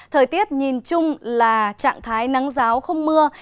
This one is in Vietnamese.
thời tiết nhìn chung là trạng thái nắng giáo không mưa